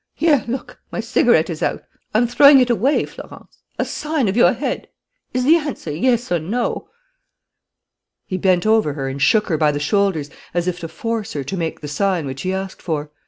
Here, look, my cigarette is out. I'm throwing it away, Florence. A sign of your head: is the answer yes or no?" He bent over her and shook her by the shoulders, as if to force her to make the sign which he asked for.